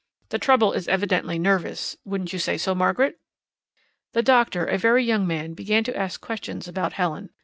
The trouble is evidently nervous wouldn't you say so, Margaret?" The doctor, a very young man, began to ask questions about Helen.